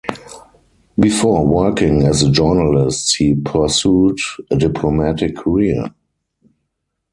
Before working as a journalist he pursued a diplomatic career.